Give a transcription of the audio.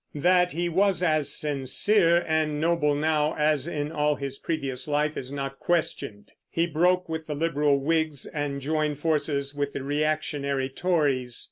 That he was as sincere and noble now as in all his previous life is not questioned. He broke with the liberal Whigs and joined forces with the reactionary Tories.